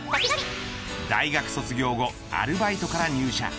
大学卒業後アルバイトから入社。